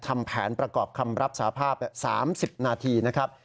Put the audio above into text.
ทำแผนประกอบคำรับสาภาพ๓๐นาทีนะครับ